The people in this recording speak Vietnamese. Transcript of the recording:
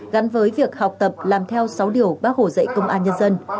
gắn với việc học tập làm theo sáu điều bác hồ dạy công an nhân dân